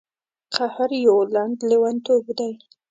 قهر یو لنډ لیونتوب دی.